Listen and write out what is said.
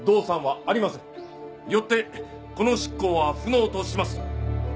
よってこの執行は不能とします。